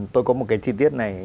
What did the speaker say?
tôi có một cái chi tiết này